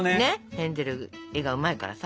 ヘンゼル絵がうまいからさ。